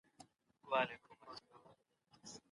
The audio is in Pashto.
ايا هغوی پر ستاسو خبرو باور کوي؟